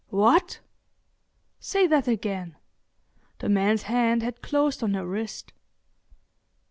"What? Say that again." The man's hand had closed on her wrist.